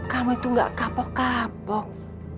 kamu itu gak kapok kapok